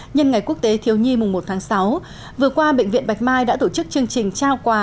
nhân ngày quốc tế thiếu nhi mùng một tháng sáu vừa qua bệnh viện bạch mai đã tổ chức chương trình trao quà